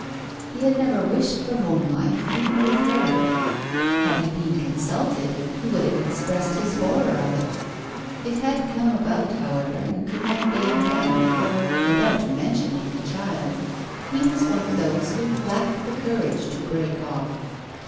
He had never wished for home life even with her; had he been consulted, he would have expressed his horror of it; it had come about, however, and could not be undone, for without mentioning the child he was one of those who lack the courage to break off.